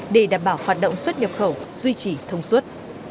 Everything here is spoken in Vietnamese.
để đảm bảo hoạt động xuất nhập khẩu duy trì thông suốt